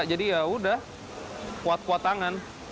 jadi ya sudah kuat kuat tangan